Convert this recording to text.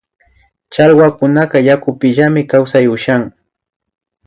Challwakunaka yakupimillami kawsay ushan